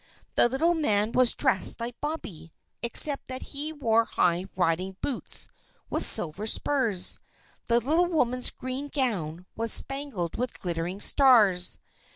The little man was dressed like Bobby, except that he wore high riding boots with silver spurs. The little woman's green gown was spangled with glittering stars.